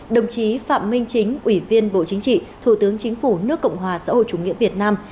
đồng chí phạm minh chính ủy viên bộ chính trị thủ tướng chính phủ nước cộng hòa xã hội chủ nghĩa việt nam